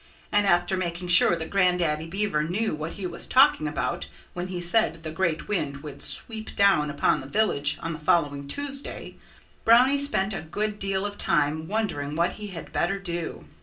And after making sure that Grandaddy Beaver knew what he was talking about when he said the great wind would sweep down upon the village on the following Tuesday, Brownie spent a good deal of time wondering what he had better do.